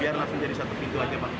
biar langsung jadi satu pintu aja pak